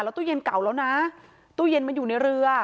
ตู้เย็นเก่าแล้วนะตู้เย็นมันอยู่ในเรือ